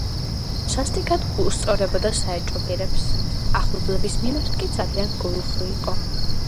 სასტიკად უსწორდებოდა საეჭვო პირებს, ახლობლების მიმართ კი ძალიან გულუხვი იყო.